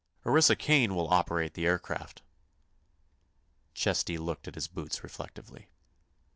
"Orissa Kane will operate the aircraft." Chesty looked at his boots reflectively.